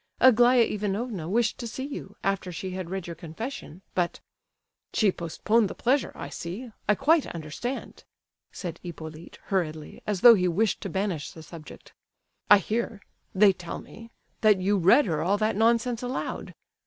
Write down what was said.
Aglaya Ivanovna wished to see you, after she had read your confession, but—" "She postponed the pleasure—I see—I quite understand!" said Hippolyte, hurriedly, as though he wished to banish the subject. "I hear—they tell me—that you read her all that nonsense aloud?